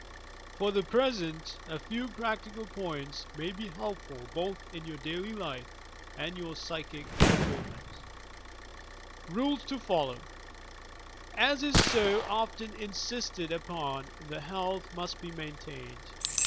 For the present a few practical points may be helpful both in your daily life and your psychic oufoldment. RULES TO FOLLOW 1. As is so often insisted upon, the health must be maintained.